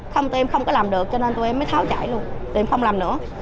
không tụi em không có làm được cho nên tụi em mới tháo chạy luôn tìm không làm nữa